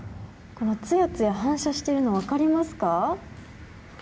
つやつや反射しているのが分かりますか。